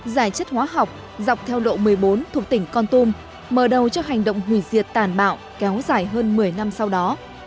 giải chất hóa học dọc theo độ một mươi bốn thuộc tỉnh con tum mở đầu cho hành động hủy diệt tàn bạo kéo dài hơn một mươi năm sau đó